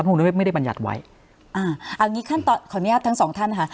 นุเวศไม่ได้บรรยัติไว้อ่าเอางี้ขั้นตอนขออนุญาตทั้งสองท่านค่ะ